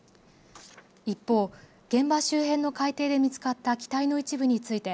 一方、現場周辺の海底で見つかった機体の一部について